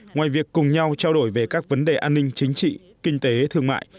ngoài việc cùng nhau trao đổi về các vấn đề an ninh chính trị kinh tế thương mại